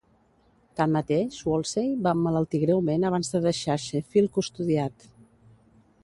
Tanmateix, Wolsey va emmalaltir greument abans de deixar Sheffield custodiat.